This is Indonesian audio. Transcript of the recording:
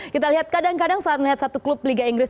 kita lihat kadang kadang saat melihat satu klub liga inggris